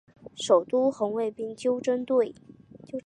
首都红卫兵纠察队。